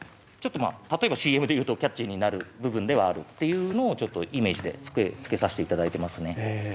ちょっとまあ例えばＣＭで言うとキャッチーになる部分ではあるっていうのをちょっとイメージで付けさしていただいてますね。